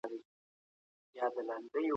بدلولو یوه دسیسه ده، بلکي هدف یې د ایران